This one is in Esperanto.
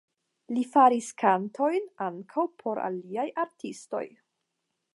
Li faris kantojn ankaŭ por aliaj artistoj.